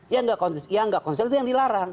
yang nggak kondisional itu yang dilarang